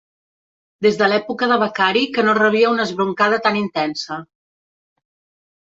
Des de l'època de becari que no rebia una esbroncada tan intensa.